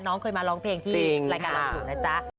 น้องเคยมาร้องเพลงที่รายการเราอยู่นะจ๊ะ